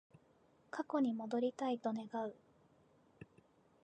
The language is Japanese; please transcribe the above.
過去に戻りたいと願う